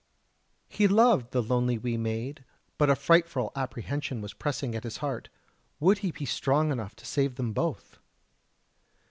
He loved the lonely wee maid, but a frightful apprehension was pressing at his heart would he be strong enough to save them both?